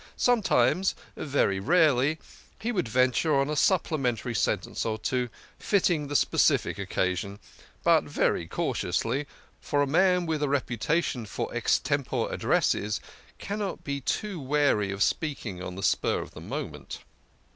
Sometimes very rarely he would venture on a supplementary sen tence or two fitting the specific occasion, but very cautiously, for a man with a reputation for extempore addresses cannot be too wary of speaking on the spur of the moment.